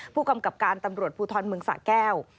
ผู้กำกับการตำรวจภูทรเมืองสะแก้ว